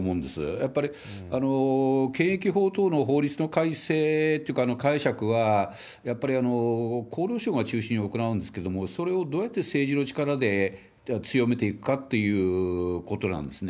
やっぱり検疫法等の法律の改正というか解釈は、やっぱり厚労省が中心に行うんですけれども、それをどうやって政治の力で強めていくかっていうことなんですね。